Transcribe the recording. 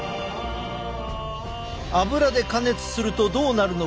油で加熱するとどうなるのか？